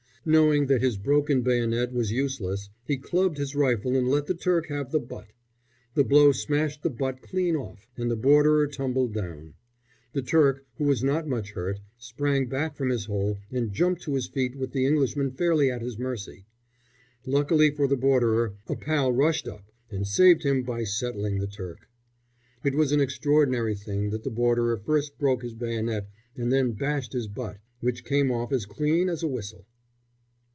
Knowing that his broken bayonet was useless, he clubbed his rifle and let the Turk have the butt. The blow smashed the butt clean off, and the Borderer tumbled down. The Turk, who was not much hurt, sprang back from his hole, and jumped to his feet with the Englishman fairly at his mercy. Luckily for the Borderer a pal rushed up and saved him by settling the Turk. It was an extraordinary thing that the Borderer first broke his bayonet and then bashed his butt, which came off as clean as a whistle.